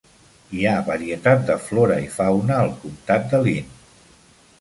Hi ha varietat de flora i fauna al comtat de Linn.